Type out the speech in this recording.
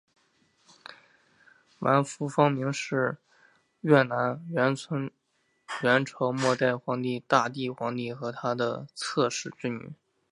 阮福芳明是越南阮朝末代皇帝保大帝皇帝和他的侧室之女。